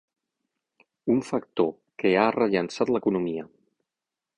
Un factor que ha rellançat l'economia.